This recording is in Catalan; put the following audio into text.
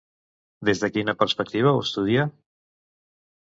Des de quina perspectiva ho estudia?